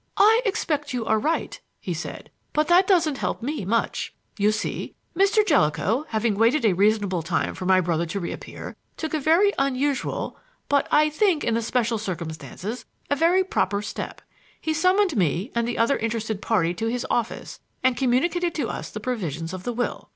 "I expect you are right," he said, "but that doesn't help me much. You see, Mr. Jellicoe, having waited a reasonable time for my brother to reappear, took a very unusual but, I think, in the special circumstances, a very proper step; he summoned me and the other interested party to his office and communicated to us the provisions of the will.